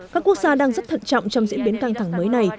các quốc gia đang rất thận trọng trong diễn biến căng thẳng mới này